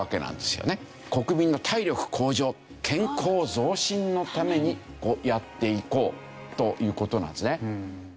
国民の体力向上健康増進のためにやっていこうという事なんですね。